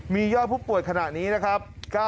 มียอดผู้ป่วยขณะนี้นะครับ